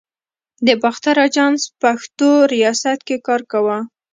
د باختر آژانس پښتو ریاست کې کار کاوه.